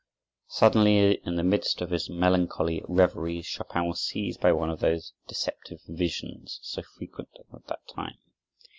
Suddenly, in the midst of his melancholy reveries, Chopin was seized by one of those deceptive visions, so frequent at that time.